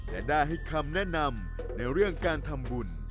และได้ให้คำแนะนำในเรื่องการทำบุญ